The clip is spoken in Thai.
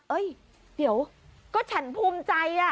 เดี๋ยวก็ฉันภูมิใจ